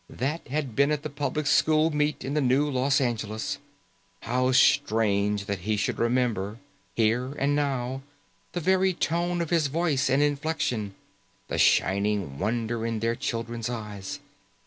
That had been at the public school meet in the New Los Angeles. How strange that he should remember, here and now, the very tone of his voice and inflection, the shining wonder in their children's eyes.